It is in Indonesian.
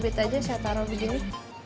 duit aja saya taruh begini